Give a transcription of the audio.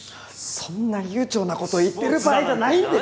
そんな悠長なことを言ってるばあいじゃないんです！